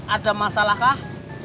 ada masalah kah